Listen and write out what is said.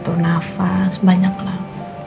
hafaz banyak lah